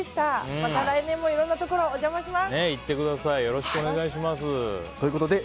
また来年もいろんなところお邪魔します。